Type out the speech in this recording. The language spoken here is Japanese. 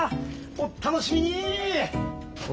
おっ楽しみに！